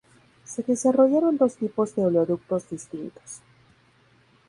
Se desarrollaron dos tipos de oleoductos distintos.